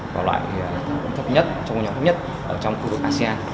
vào loại thấp nhất trong khu vực asean